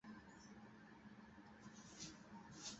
তোমার সুরক্ষার জন্য।